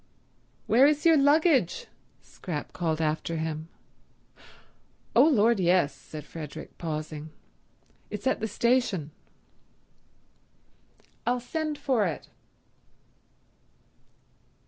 "Where is your luggage?" Scrap called after him. "Oh, Lord, yes—" said Frederick, pausing. "It's at the station." "I'll send for it."